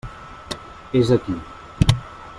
És aquí.